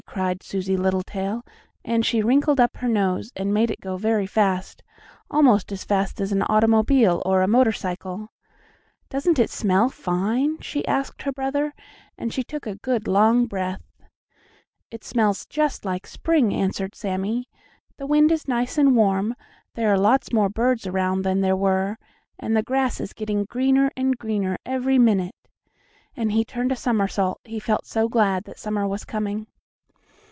cried Susie Littletail, and she wrinkled up her nose, and made it go very fast, almost as fast as an automobile or a motorcycle. "Doesn't it smell fine?" she asked her brother, and she took a good, long breath. "It smells just like spring," answered Sammie. "The wind is nice and warm, there are lots more birds around than there were, and the grass is getting greener and greener every minute," and he turned a somersault, he felt so glad that summer was coming.